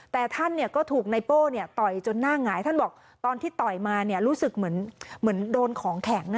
แต่ท่านก็ถูกนายโป้ต่อยจนหน้าหงายท่านบอกตอนที่ต่อยมารู้สึกเหมือนโดนของแข็ง